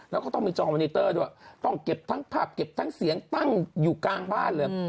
แล้วก็ต้องมีจองมอนิเตอร์ด้วยต้องเก็บทั้งภาพเก็บทั้งเสียงตั้งอยู่กลางบ้านเลย